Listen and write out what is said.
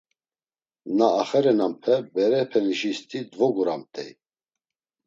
Na axeneranpe berepenişisti dvoguramt̆ey.